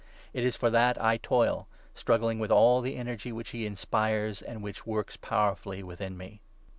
It is for that I toil, struggling with all the energy which he inspires and which works powerfully within me.